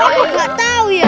aku gak tau ya